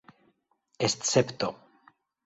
escepto